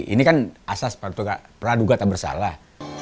ini kan asas praduga tak bersalah